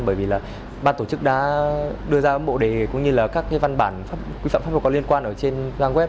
bởi vì là ban tổ chức đã đưa ra bộ đề cũng như là các văn bản quy phạm pháp luật có liên quan ở trên trang web